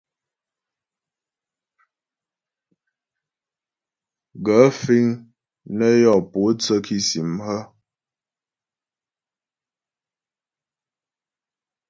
Gaə̂ fíŋ nə́ yɔ pótsə́ kìsìm hə̀ ?